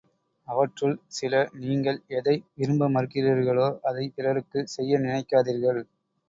அவற்றுள் சில நீங்கள் எதை விரும்ப மறுக்கிறீர்களோ, அதைப் பிறருக்குச் செய்ய நினைக்காதீர்கள்!